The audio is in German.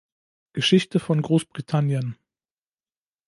Geschichte von Großbritannien.